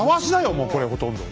もうこれほとんど。